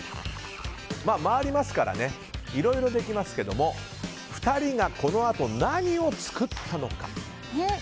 回りますからねいろいろできますけども２人がこのあと何を作ったのか。